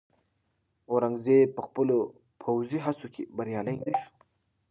اورنګزېب په خپلو پوځي هڅو کې بریالی نه شو.